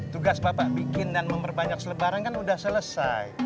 tugas bapak bikin dan memperbanyak selebaran kan sudah selesai